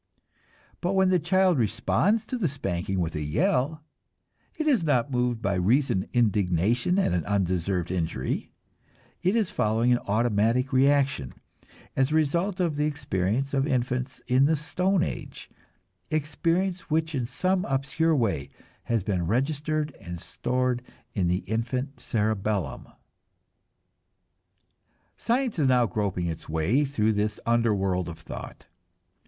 But when the child responds to the spanking with a yell, it is not moved by reasoned indignation at an undeserved injury; it is following an automatic reaction, as a result of the experience of infants in the stone age, experience which in some obscure way has been registered and stored in the infant cerebellum. Science is now groping its way through this underworld of thought.